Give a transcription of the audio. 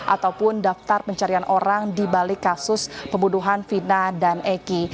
ataupun daftar pencarian orang dibalik kasus pembunuhan fina dan eki